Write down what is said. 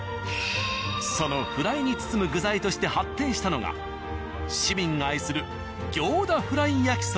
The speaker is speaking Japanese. そのフライに包む具材として発展したのが市民が愛する行田フライ焼きそばなのだ。